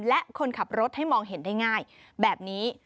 และคนขับรถให้มองเห็นได้ง่ายแบบนี้